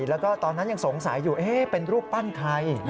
แล้วก็ตอนนั้นยังสงสัยอยู่เป็นรูปปั้นใคร